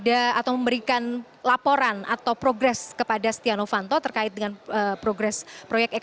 atau memberikan laporan atau progress kepada stiano vanto terkait dengan progress proyek ektp ini